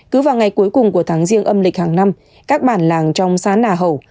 cứ vào ngày cuối cùng của tháng riêng âm lịch hàng năm các bản làng trong xá nà hậu